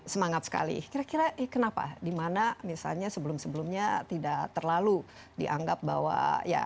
semangat sekali kira kira kenapa dimana misalnya sebelum sebelumnya tidak terlalu dianggap bahwa ya